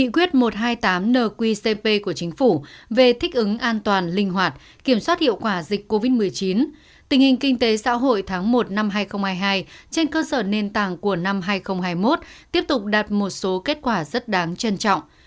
tình hình nqcp của chính phủ về thích ứng an toàn linh hoạt kiểm soát hiệu quả dịch covid một mươi chín tình hình kinh tế xã hội tháng một năm hai nghìn hai mươi hai trên cơ sở nền tảng của năm hai nghìn hai mươi một tiếp tục đạt một số kết quả rất đáng trân trọng